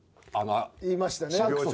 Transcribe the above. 言いましたね。